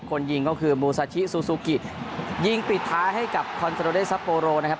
คนยิงก็คือมูซาชิซูซูกิยิงปิดท้ายให้กับคอนโซโปโรนะครับ